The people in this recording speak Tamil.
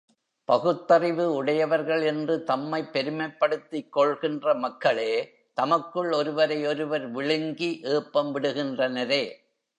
பகுத்தறிவு உடையவர்கள் என்று தம்மைப் பெருமைப்படுத்திக் கொள்கின்ற மக்களே, தமக்குள் ஒருவரை ஒருவர் விழுங்கி ஏப்பம் விடுகின்றனரே!